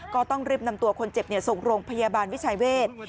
ก็ต้องรีบนำตัวคนเจ็บส่งโรงพยาบาลวิชัยเวท